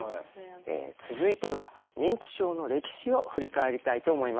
続いては認知症の歴史を振り返りたいと思います。